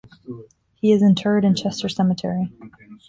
He is interred in Chester Cemetery.